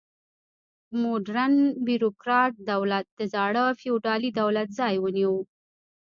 موډرن بیروکراټ دولت د زاړه فیوډالي دولت ځای ونیو.